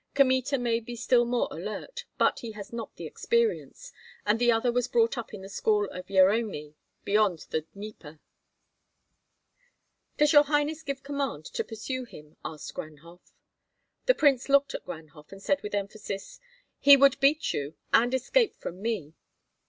Kmita may be still more alert, but he has not the experience, and the other was brought up in the school of Yeremi, beyond the Dnieper." "Does your highness give command to pursue him?" asked Ganhoff. The prince looked at Ganhoff, and said with emphasis, "He would beat you and escape from me."